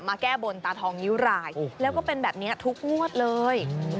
แก้บนตาทองนิ้วรายแล้วก็เป็นแบบนี้ทุกงวดเลย